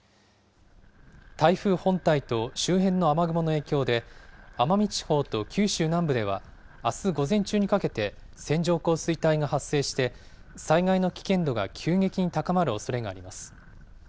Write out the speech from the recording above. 台風本体と周辺の雨雲の影響で、奄美地方と九州南部ではあす午前中にかけて線状降水帯が発生して、災害の危険度が急激に高まるおそれがあります。